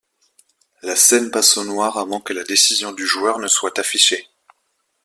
La scène passe au noir avant que la décision du joueur ne soit affichée.